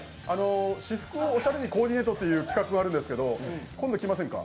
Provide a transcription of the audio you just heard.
至福をおしゃれにコーディネートっていう企画があるんですけど今度来ませんか？